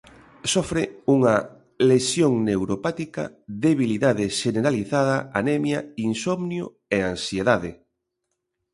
Sofre unha "lesión neuropática, debilidade xeneralizada, anemia, insomnio e ansiedade".